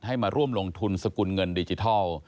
ให้มาร่วมลงทุนสกุลเงินดิจิทัล